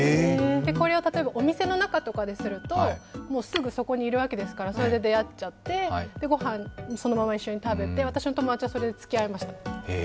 例えばお店の中とかですると、すぐそこにいるわけですから、それで出会っちゃって、御飯、そのまま一緒に食べて、私の友達はそれでつきあいました。